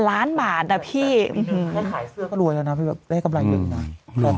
ให้ขายเสื้อก็รวยแล้วนะได้กำไรเยอะมาก